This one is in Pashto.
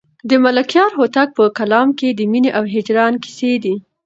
د ملکیار هوتک په کلام کې د مینې او هجران کیسې دي.